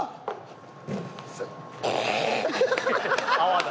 泡だ。